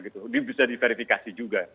itu bisa diverifikasi juga